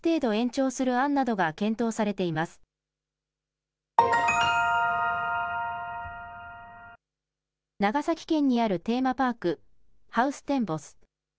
長崎県にあるテーマパーク、ハウステンボス。